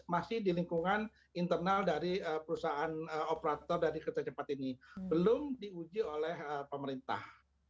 masih di lingkungan internal dari perusahaan operator dari kereta cepat ini belum diuji oleh pemerintah